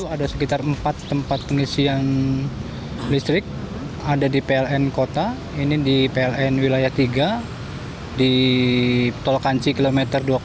ada sekitar empat tempat pengisian listrik ada di pln kota ini di pln wilayah tiga di tolkanci km dua ratus tujuh